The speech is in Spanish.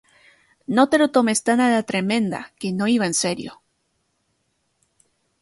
No te lo tomes tan a la tremenda que no iba en serio